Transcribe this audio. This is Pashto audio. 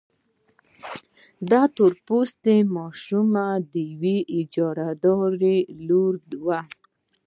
دا تور پوستې ماشومه د يوې اجارهدارې لور وه.